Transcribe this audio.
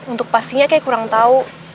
untuk pastinya kayak kurang tahu